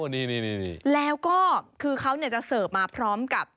นี่แล้วก็คือเขาจะเสิร์ฟมาพร้อมกับ